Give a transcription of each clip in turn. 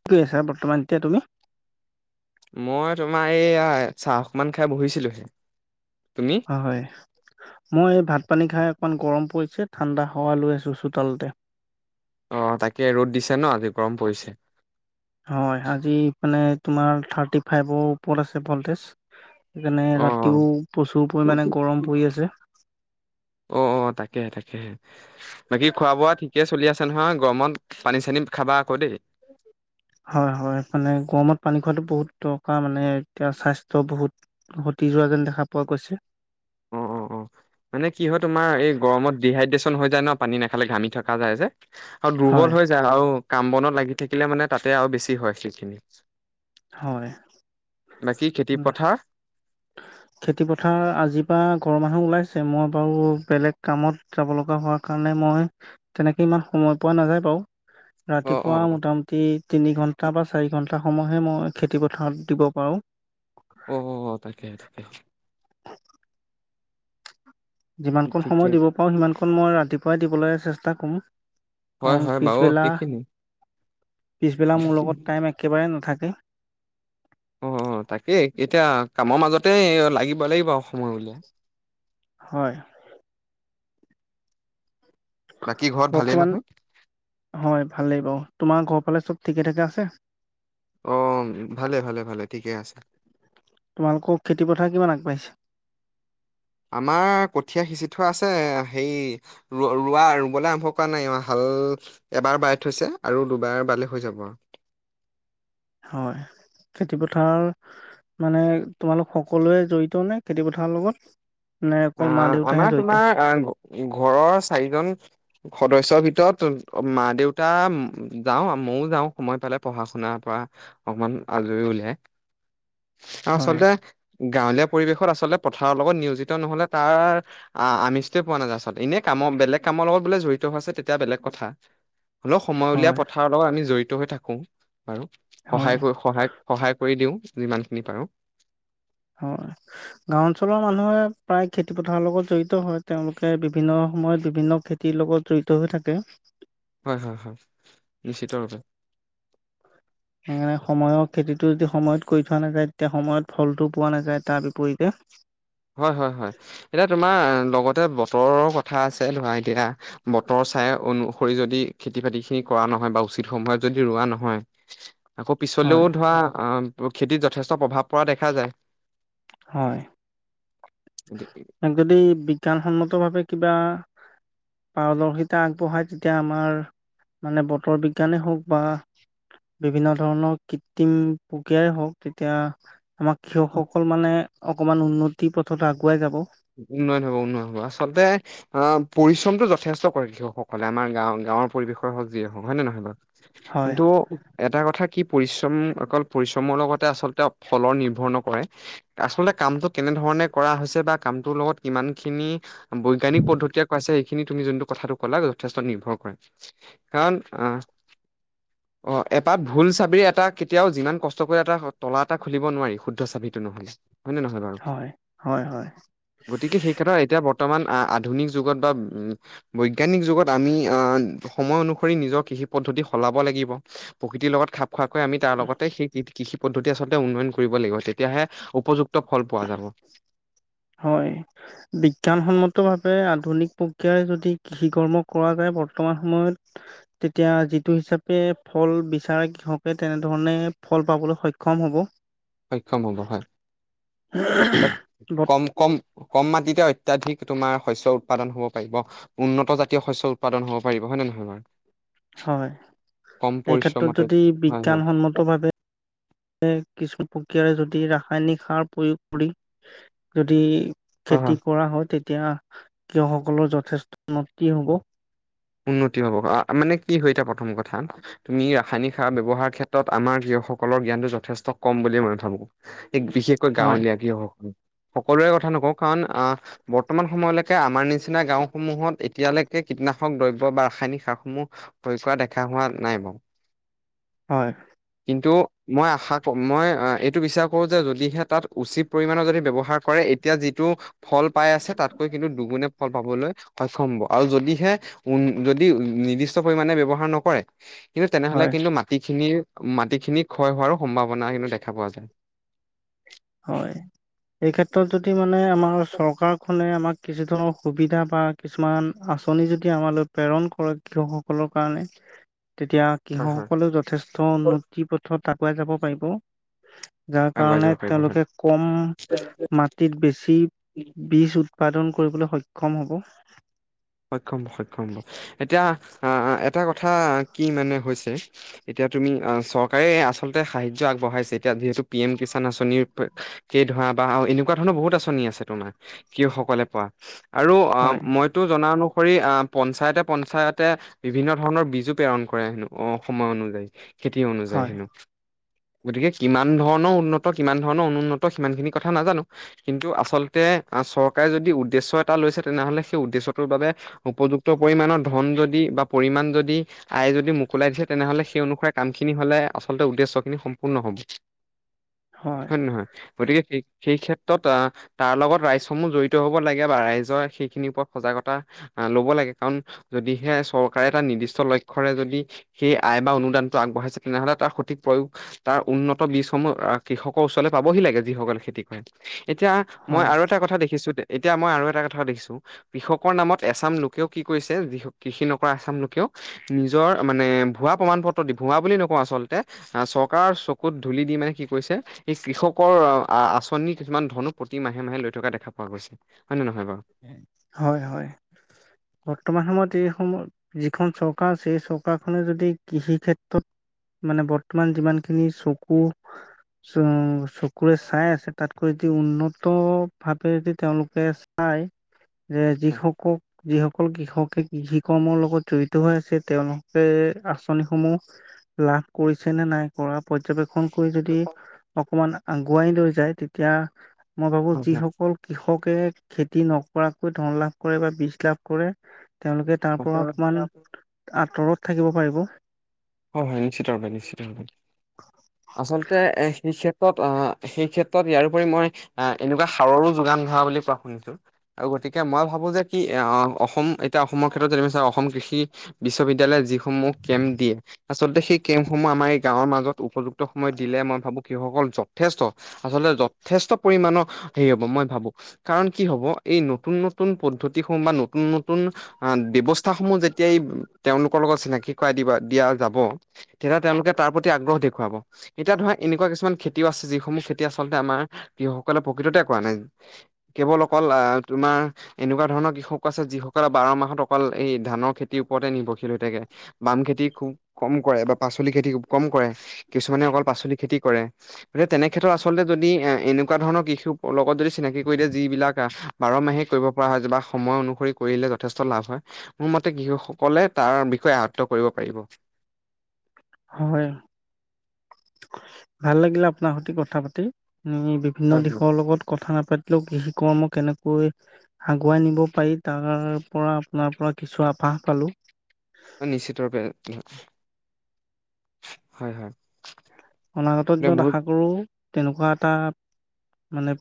কি কৰি আছা বৰ্তমান এতিয়া তুমি? মই তোমাৰ এইয়া চাহ অকমান খাই বহিছিলোহি, তুমি? হয়, মই এই ভাত পানী খাই অকণমান গৰম পৰিছে ঠাণ্ডা হাৱা লৈ আছোঁ চোতালতে। অ', তাকে ৰ'দ দিছে ন' আজি গৰম পৰিছে। হয়, আজি মানে তোমাৰ থাৰ্টি ফাইভৰ ওপৰত আছে ভল্টেজ। সেইকাৰণে অ' ৰাতিও প্ৰচুৰ পৰিমাণে গৰম পৰি আছে। অ', অ', তাকেহে তাকেহে। বাকী খোৱা-বোৱা ঠিকে চলি আছে নহয়? গৰমত পানী-চানী খাবা আকৌ দেই। হয়, হয়, মানে গৰমত পানী খোৱাটো বহুত দৰকাৰ মানে এতিয়া স্বাস্থ্য বহুত [unintelligible] যোৱা যেন দেখা পোৱা গৈছে। অ' অ' মানে কি হয় তোমাৰ এই গৰমত ডিহাইড্ৰেচন হৈ যায় ন' পানী নাখালে ঘামি থকা যায় যে আৰু দুৰ্বল হয় হৈ যায়, আৰু কাম বনত লাগি থাকিলে মানে তাতে আৰু বেছি হয় সেইখিনি। হয়। বাকী খেতি-পথাৰ? খেতি-পথাৰ আজিৰ পৰা ঘৰৰ মানুহ ওলাইছে মই বাৰু বেলেগ কামত যাব লগা হোৱা [unintelligible] মই তেনেকে ইমান সময় পোৱা নাযায় বাৰু অ' ৰাতিপুৱা অ' মোটামুটি তিনি ঘণ্টা বা চাৰি ঘণ্টা সময়হে মই খেতিপথাৰত দিব পাৰোঁ। অ অ তাকে তাকে। যিমানকন সময় ঠিকে। দিব পাৰো সিমাকন মই ৰাতিপুৱাই দিবলৈ চেষ্টা কৰো। হয় কাৰণ হয় বাৰু পিছবেলা সেইখিনি। পিছবেলা মোৰ লগত টাইম একেবাৰে নাথাকে। অ তাকেই এতিয়া কামৰ মাজতে এই লাগিব লাগিব সময় উলিয়াই। হয় বাকী ঘৰত ভালেই বৰ্তমান নহয়। হয় ভালেই বাৰু তোমাৰ ঘৰ ফালে চব ঠিকে ঠাকে আছে। অ ভালে ভালে ভালে ঠিকে আছে তোমালোকৰ খেতিপথাৰ কিমান আগবাঢ়িছে? আমাৰ কঠীয়া সিঁচি থোৱা আছে সেই ৰ ৰোৱা ৰুবলৈ আৰম্ভ কৰা নাই ইমান হাল এবাৰ বাই থৈছে আৰু দুবাৰ বালে হৈ যাব আৰু। অ খেতি পথাৰ মানে তোমালোক সকলোৱে জড়িত নে খেতি পথাৰৰ লগত নে অকল মা আহ আমাৰ দেউতাহে জড়িত? তোমাৰ আহ ঘৰৰ চাৰিজন সদস্যৰ ভিতৰত মা দেউ তা যাওঁ আৰু মইও যাওঁ সময় পালে পঢ়া শুনাৰ পৰা অকমান আজৰি উলিয়াই আও হয়, আচলতে গাঁৱলীয়া পৰিৱেশত আচলতে পথাৰৰ লগত নিয়োজিত নহলে তাৰ আহ আমিজটোৱে পোৱা নাযায় আচলতে এনে কামৰ বেলেগ কামৰ বোলে জড়িত হৈ আছে তেতিয়া বেলেগ কথা হলেও সময় উলিয়াই হয়, পথাৰ লগত আমি জড়িত হৈ থাকো বাৰু সহায় হয়, কৰি সহায় সহায় কৰি দিও যিমানখিনি পাৰো। অ গাঁও অঞ্চলৰ মানুহে প্ৰায় খেতি পথাৰৰ লগত জড়িত হয় তেওঁলোকে বিভিন্ন সময়ত বিভিন্ন খে তিৰ লগত জড়িত হৈ থাকে। হয় হয় হয় বেছি দৰকাৰ। সেইকাৰণে সময়ৰ খেতিটো যদি সেইকাৰণে সময়ৰ খেতিটো যদি সময়ত কৰি থোৱা নাযায় তেতিয়া সময়ত ফলটো পোৱা নাযায় তাৰ বিপৰীতে। হয় হয় হয় এতিয়া তোমাৰ লগতে বতৰৰ কথা আছে ধৰা এতিয়া বতৰ চাই অনুসৰি যদি খেতি বাতিখিনি কৰা নহয় বা উচিত সময়ত যদি ৰোৱা নহয় আকৌ হয় পিছলেও ধৰা অ খেতিত যথেষ্ট প্ৰভাৱ পৰা দেখা যায়। হয় উম তাক যদি বিজ্ঞানসন্মতভাৱে কিবা পাৰদৰ্শিতা আগবঢ়াই তেতিয়া আমাৰ মানে বতৰ বিজ্ঞানেই হওক বা বিভিন্ন ধৰণৰ কৃত্ৰিম প্ৰক্ৰিয়াই হওক তেতিয়া আমাৰ কৃষকসকল মানে অকমান উন্নতিৰ পথত আগুৱাই যাব। উন্নয়ন হ'ব উন্নয়ন হ'ব আচলতে অ পৰিশ্ৰমতো যথেষ্ট কৰে কৃষকসকলে আমাৰ গা গাঁৱৰ পৰিৱেশৰ হওক যিয়েই হওক হয় নে নহয় বাৰু হয় কিন্তু এটা কথা কি পৰিশ্ৰম অকল পৰিশ্ৰমৰ লগতে আচলতে ফলৰ নিৰ্ভৰ নকৰে। আচলতে কামটো কেনেধৰণে কৰা হৈছে বা কামটোৰ লগত কিমানখিনি বৈজ্ঞানিক পদ্ধতিয়ে কৰাইছে খিনি তুমি যোনটো কথাটো ক'লা যথেষ্ট নিৰ্ভৰ কৰে কাৰণ অহ অ এপাত ভুল চাবিৰ এটা কেতিয়াও যিমান কষ্ট কৰি এটা তলা এটা খুলিব নোৱাৰি শুদ্ধ চাবিটো নহ'লে। হয়নে নহয় বাৰু হয় হয় হয় গতিকে সেই ক্ষেত্ৰত বৰ্তমান আধুনিক যুগত বা উম বৈজ্ঞানিক যুগত আমি আ সময় অনুসৰি নিজৰ কৃষি পদ্ধতি সলাব লাগিব। প্ৰকৃতিৰ লগত খাপ খোৱাকৈ আমি তাৰ লগতে সেই কৃষি পদ্ধতি আচলতে উন্নয়ন কৰিব লাগিব তেতিয়াহে উপযুক্ত ফল পোৱা যাব। হয়। বিজ্ঞানসন্মতভাৱে আধুনিক প্ৰক্ৰিয়াৰে যদি কৃষি কৰ্ম কৰা যায় বৰ্তমান সময়ত তেতিয়া যিটো হিচাপে ফল বিচাৰে কৃষকে তেনেধৰণে ফল পাবলৈ সক্ষম হ'ব। সক্ষম হব হয়, বত- কম কম কম মাটিতে অত্যাধিক তোমাৰ শস্য উৎপাদন হব পাৰিব। উন্নত জাতীয় শস্য উৎপাদন হব পাৰিব হয় নে নহয় বাৰু। হয়, কম এই ক্ষেত্ৰত পৰিশ্ৰমতে যদি হয় হয় বিজ্ঞানসন্মত ভাৱে কিছু প্ৰক্ৰিয়াৰে যদি ৰাসায়নিক সাৰ প্ৰয়োগ কৰি যদি হয় হয়। খেতি কৰা হয় তেতিয়া কৃষকসকলৰ যথেষ্ট উন্নতি হব। উন্নতি হব, মানে কি হয় এতিটা প্ৰথম কথা তুমি ৰাসায়নিক সাৰ ব্যয়ৱহাৰ ক্ষেত্ৰত আমাৰ কৃষকসকলৰ জ্ঞানটো যথেষ্ট কম বুলিুল মই ভাবো। এক বিশেষকৈ হয়, গাঁৱলীয়া কৃষক সকলোৰে কথা নকওঁ কাৰণ অ বৰ্তমান সময়লৈকে আমাৰ নিচিনা গাওসমূহত এতিয়ালৈকে কীটনা দ্ৰব্য বা ৰাসায়নিক সাৰসমূহ প্ৰয়োগ কৰা দেখা হোৱা নাই বুলি বাৰু। হয়। কিন্তু মই আশা কৰো মই এইটো বিচাৰ কৰো যে যদিহে তাত উচিত পৰিমণৰ যদি ব্যৱহাৰ কৰে এতিয়া যিটো ফল পাই আছে তাতকৈ কিন্তু দুগুণে ফল পাবলৈ সক্ষম হ'ব আৰু যদিহে উ যদি নিৰ্দিষ্ট পৰিমণে ব্য্ৱহাৰ নকৰে কিন্তু তেনেহলে হয়, কিন্তু মা তিখিনি - মাটিখিনি ক্ষয় হোৱাৰো সম্ভাৱনা কিন্তু দেখা পোৱা যায়। হয় এই ক্ষেত্ৰত যদি মানে আমাৰ চৰকাৰখনে আমাক কিছু ধৰণৰ সুবিধা বা কিছুমান আঁচনি যদি আমালৈ প্ৰেৰণ কৰে কৃষকসকলৰ কাৰণে তেতিয়া হয় হয় কৃষকসকলেও যথেষ্ট উন্নতি পথত আগুৱাই যাব পাৰিব যাৰ আগুৱাই কাৰণে যাব পাৰিব তেওঁলোকে হয় কম মাটিত বেছি বীজ উত পাদন কৰিবলৈ সক্ষম হ'ব। সক্ষম হব সক্ষম হব এতিয়া আহ এটা কথা কি মানে হৈছে। এতিয়া তুমি, চৰকাৰে আচলতে সাহা্য আগবঢ়াইছে এতিয়া যিহেতু পি এম কিষাণ আঁচনিৰ প কেই ধৰা বা এনেকুৱা ধৰণৰ বহুত আঁচনি আছে তোমাৰ কৃষক সকলে পোৱা আৰু অ হয় মই জনা অনুসৰি পঞ্চায়তে পঞ্চায়তে বিভিন্ন ধৰণৰ বীজো প্ৰেৰণ কৰে হেনো অ সময় অনুযায়ী খেতি অনুযায়ী হয় হেনো। গতিকে কিমান ধৰণৰ উন্নত কিমান ধৰণৰ অনুন্নত সিমানখিনি কথা নাজানো কিন্তু আচলতে চৰকাৰে যদি উদ্দেশ্য এটা লৈছে তেনেহলে সেই উদ্দেশ্য টো বাবে উপযুক্ত পৰিমণৰ ধন যদি বা পৰিমাণ যদি আয়ে যদি মোকলাই দিছে তেনেহলে সেই অনুসাৰে কাম খিনি হলে আচলতে উদ্দেশ্য খিনি সম্পূৰ্ণ হব। হয় নহয় গতিকে সেই- সেই ক্ষেত্ৰত অ তাৰ লগত ৰাইজসমূহ জড়িত হ'ব লাগে বা ৰাইজৰ সেইখিনিৰ ওপৰত সজাগতা ল'ব লাগে কাৰণ যদিহে চৰকাৰে এটা নিৰ্দিষ্ট লক্ষ্য়ৰে যদি সেই আয় বা অনুদানটো আগবঢ়াইছে তেনেহলে তাৰ সঠিক প্ৰয়োগ তাৰ উন্নত বীজসমূহ আহ কৃষকৰ ওচৰলৈ পাবহি লাগে যিসকলে খেতি কৰে। এতিয়া মই হয়। আৰু এটা কথা দেখিছো, এতিয়া মই এটা দেখিছো কৃষকৰ নামত এচাম লোকেও কি কৰিছে যি হক কৃষি নকৰা এচাম লোকেও নিজৰ মানে ভুৱা প্ৰমাণ পত্ৰ দি ভুৱা বুলি নকওঁ আচলতে। আ চৰকাৰৰ চকুত ধূলি দি মানে সি কৈছে এই কৃষকৰ আ-আঁচনি কিছুমান ধনো প্ৰতি মাহে-মাহে লৈ থকা দেখা পোৱা গৈছে, হয় নে নহয় বাৰু? হয়, হয়। বৰ্তমান সময়ত এইসময় যিখন চৰকাৰ ছেই চকাৰখনে যদি কৃষি ক্ষেত্ৰত মানে বৰ্তমান যিমানখিনি চকু চ-চকুৰে চাই আছে তাতকৈ দি উন্নত ভাৱে দি তেওঁলোকে আই যে [unintelligible] যিস কল কৃষকে কৃষি কৰ্মৰ লগত জড়িত হৈ আছে, তেওঁলোকে আঁচনিসমূহ লাভ কৰিছে নে নাই কৰা পৰ্যবেক্ষণ কৰি যদি অকমাণ আগুৱাই লৈ যায়, তেতিয়া মই ভাবো হয় যিসকল কৃষকে খেতি নকৰাকৈ ধন লাভ কৰে বা বীজ লাভ কৰে, তেওঁলোকে তাৰ পৰা হয় অকমাণ আঁতৰত থাকিব পাৰিব। হয়, হয়। নিশ্চিতভাবে, নিশ্চিতভাবে। আচলতে এ সেই ক্ষেত্ৰত অ' সেই ক্ষেত্ৰত ইয়াৰ উপৰি মই আ, এনেকুৱা সাৰৰো যোগান ধৰা বুলি কোৱা শুনিছোঁ। আৰু গতিকে মই ভাবো যে কি [unintelligible] অসম এতিয়া অসমৰ ক্ষেত্ৰত যে [unintelligible] অসম কৃষি বিশ্ববিদ্যালয়ে যি সমূহ কেম্প দিয়ে আচলতে সেই কেম্পসমূহ আমাৰ এই গাঁৱৰ মাজত উপযুক্ত সময়ত দিলে মই ভাবোঁ কৃষকসকল যথেষ্ট আচলতে যথেষ্ট পৰিমাণৰ হেৰি হ'ব, মই ভাবোঁ। কাৰণ কি হ'ব, এই নতুন-নতুন পদ্ধতিসমূহ বা নতুন-নতুন আঁন ব্যৱস্থাসমূহ যেতিয়াই তেওঁলোকৰ লগত চিনাকি কৰাই দিবা দিয়া যাব, তেতিয়া তেওঁলোকে তাৰ প্ৰতি আগ্ৰহ দেখুৱাব। এতিয়া ধৰা এনেকুৱা কিছুমান খেতিও আছে, যিসমূহ খেতি আচলতে আমাৰ কৃষকসকলে প্ৰকৃততে কৰা নাই। কেৱল অকল আহ তোমাৰ এনেকুৱা ধৰণৰ কৃষক আছে, যিসকলে বাৰ মাহত অকল এই ধানৰ খেতিৰ ওপৰতে নিৰ্ভৰশীল হৈ থাকে। বাম খেতি খুব কম কৰে বা পাচলি খেতিব কম কৰে, কিছুমানে অকল পাচলি খেতি কৰে। [unintelligible] তেনে ক্ষেত্ৰত আচলতে যদি এ-এনেকুৱা ধৰণৰ কৃষিৰ লগত যদি চিনাকি কৰি দিয়ে যিবিলাক বাৰ মাহেই কৰিব পৰা হয় যে বা সময় অনুসৰি কৰিলে যথেষ্ট লাভ হয়। মোৰ মতে কৃষকসকলে তাৰ বিষয়ে আয়ত্ত্ব কৰিব পাৰিব। হয়। ভাল লাগিলে আপোনাৰ সৈতে কথা পাতি। [unintelligible] অন্য হয় হয়। দিশৰ লগত কথা নাপাতিলেও কৃষি কৰ্ম কেনেকৈ আগুৱাই নিব পাৰি তাৰ পৰা আপোনাৰ পৰা কিছু আভাস পালো। নিশ্চিতৰূপে। হয়, হয়। অনাগত দিনত মোৰো আশা কৰোঁ তেনেকুৱা এটা মানে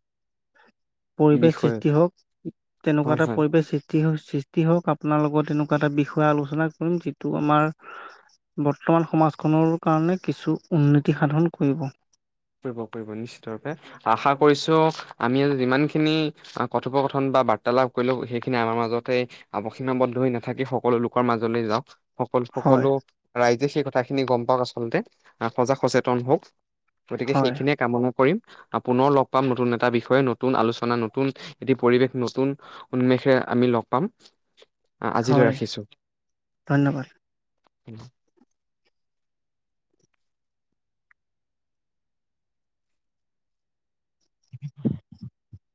পৰিৱেশ বিষয় সৃষ্টি হওক। তেনেকুৱা হয় এটা হয় পৰিৱেশ সৃ টি হওঁ, সৃষ্টি হওঁক আপোনাৰ লগত এনেকুৱা এটা বিষয় আলোচনা কৰিম যিটো আমাৰ বৰ্তমান সমাজখনৰো কাৰণে কিছু উন্নতি সাধন কৰিব। কৰিব, কৰিব। নিশ্চিত ৰূপে, আশা কৰিছোঁ, আমি যিমান খিনি আ কথোপকথন বা বাৰ্তালাপ কৰিলোঁ, সেইখিনি আমাৰ মাজতে আৱ সীমাবদ্ধ হৈ নাথাকি সকলো লোকৰ মাজলৈ যাওক সকল হয় সকলো ৰাইজে সেই কথাখিনি গম পাওক আচলতে। এ সজাগ সচেতন হওঁক। গতিকে হয় সেইখিনিয়ে কামনা কৰিম। আ পুনৰ লগ পাম নতুন এটা বিষয়ে, নতুন আলোচনা, নতুন এটি পৰিৱেশ, নতুন উন্মেষে আমি লগ পাম। আ-আজিলৈ হয় ৰাখিছোঁ‌। ধন্যবাদ। [unintelligible]